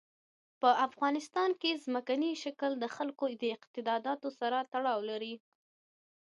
په افغانستان کې ځمکنی شکل د خلکو اعتقاداتو سره تړاو لري.